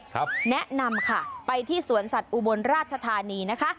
แนะนำค่ะไปที่สวนสัตว์อุบลราชธานีนะคะ